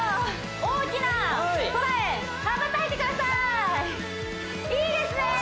大きな空へ羽ばたいてくださいいいですね